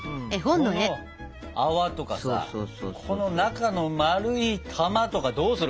この泡とかさこの中の丸い玉とかどうする？